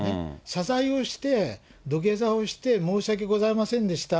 謝罪をして、土下座をして、申し訳ございませんでした。